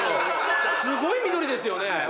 すごい緑ですよね。